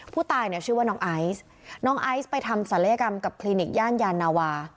ผู้ตายเนี่ยชื่อว่าน้องไอซ์น้องไอซ์ไปทำศัลยกรรมกับคลินิกย่านยานาวา